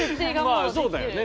まあそうだよね。